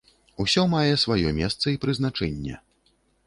Усё мае сваё месца і прызначэнне.